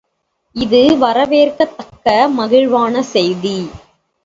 இது வரவேற்கத்தக்க மகிழ்வான செய்தி.